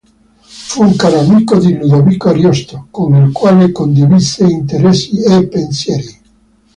Fu un caro amico di Ludovico Ariosto, con il quale condivise interessi e pensieri.